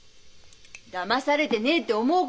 「だまされでねえ」って思う